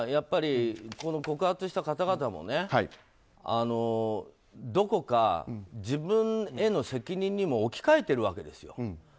でも、告発した方々もどこか自分への責任にも置き換えているわけですよ。